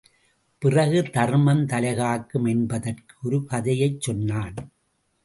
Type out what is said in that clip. பிறகு தர்மம் தலைகாக்கும் என்பதற்கு ஒரு கதையைச் சொன்னான்.